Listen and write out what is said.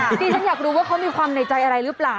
ดิฉันอยากรู้ว่าเขามีความในใจอะไรหรือเปล่า